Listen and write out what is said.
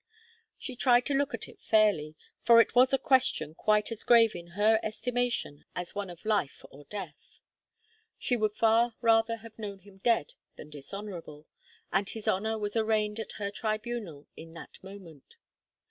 She tried to look at it fairly, for it was a question quite as grave in her estimation as one of life or death. She would far rather have known him dead than dishonourable, and his honour was arraigned at her tribunal in that moment.